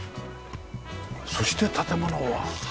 そして建物は。